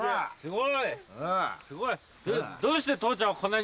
すごい！